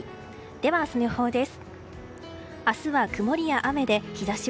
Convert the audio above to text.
では、明日の予報です。